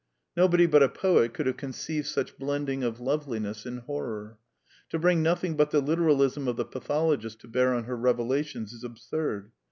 Nobody bnt a poet could have conceived such blending of loveliness in horror. To bring nothing but the literalism of the pathologist to bear on her Revelations is absurd.